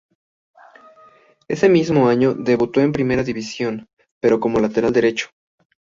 Ese mismo año debutó en Primera División, pero como lateral derecho.